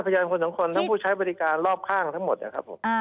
พยานคนสำคัญทั้งผู้ใช้บริการรอบข้างทั้งหมดนะครับผม